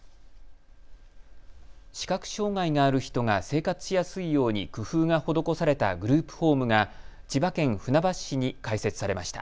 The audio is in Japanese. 視覚障害がある人が生活しやすいように工夫が施されたグループホームが千葉県船橋市に開設されました。